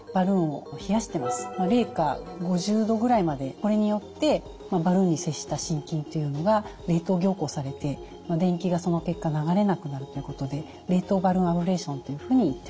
これによってバルーンに接した心筋というのが冷凍凝固されて電気がその結果流れなくなるということで冷凍バルーンアブレーションというふうにいってます。